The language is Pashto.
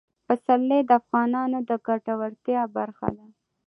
پسرلی د افغانانو د ګټورتیا برخه ده.